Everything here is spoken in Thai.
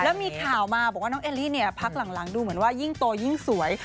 แล้วมีข่าวมาบอกว่าน้องเอลลี่เนี่ยพักหลังดูเหมือนว่ายิ่งโตยิ่งสวย